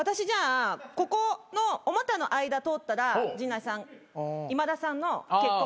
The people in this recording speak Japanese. ここのお股の間通ったら陣内さん今田さんの結婚が。